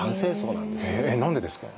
え何でですか？